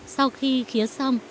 sau khi khía xong